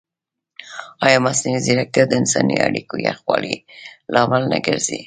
ایا مصنوعي ځیرکتیا د انساني اړیکو یخوالي لامل نه ګرځي؟